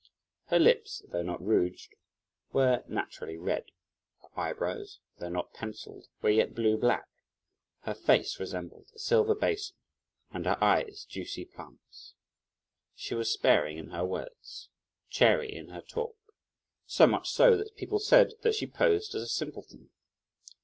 Her lips, though not rouged, were naturally red; her eyebrows, though not pencilled, were yet blue black; her face resembled a silver basin, and her eyes, juicy plums. She was sparing in her words, chary in her talk, so much so that people said that she posed as a simpleton.